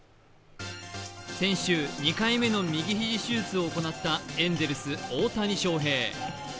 先週２回目の右肘手術を行ったエンゼルス・大谷翔平。